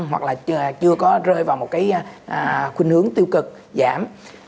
hoặc là chưa có rơi vào một cái khuyên hướng tiêu cực giảm